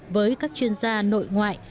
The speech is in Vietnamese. với các chuyên gia nội ngoại